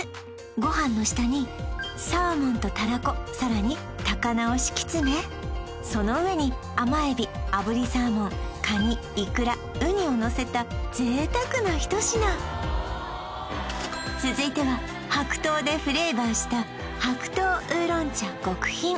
ご飯の下にサーモンとたらこさらに高菜を敷き詰めその上に甘エビ炙りサーモンカニイクラウニをのせた贅沢な一品続いては白桃でフレーバーした白桃烏龍極品